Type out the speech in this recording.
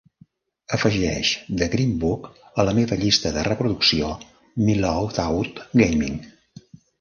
Afegeix The Green Book a la meva llista de reproducció Mellowed Out Gaming.